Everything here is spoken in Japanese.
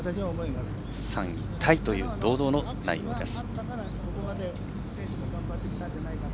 ３位タイという堂々の内容です。